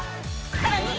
［さらに